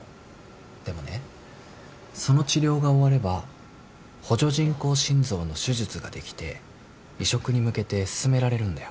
でもねその治療が終われば補助人工心臓の手術ができて移植に向けて進められるんだよ。